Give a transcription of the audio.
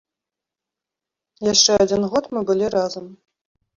Яшчэ адзін год мы былі разам.